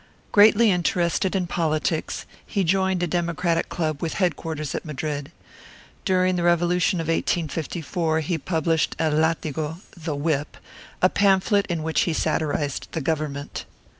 Greatly interested in politics, he joined a democratic club with headquarters at Madrid. During the revolution of 1854 he published El Látigo (The Whip), a pamphlet in which he satirized the government.